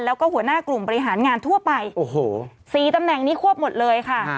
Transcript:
แล้วก็หัวหน้ากลุ่มบริหารงานทั่วไปโอ้โห๔ตำแหน่งนี้ควบหมดเลยค่ะ